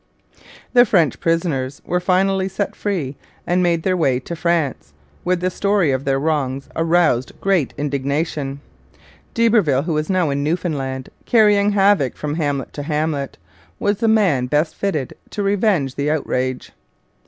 The French prisoners were finally set free and made their way to France, where the story of their wrongs aroused great indignation. D'Iberville, who was now in Newfoundland, carrying havoc from hamlet to hamlet, was the man best fitted to revenge the outrage.